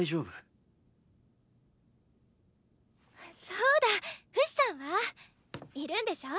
そうだフシさんは？いるんでしょ？